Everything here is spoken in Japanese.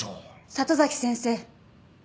里崎先生。